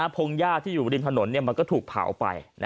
พงหญ้าที่อยู่ริมถนนมันก็ถูกเผาไป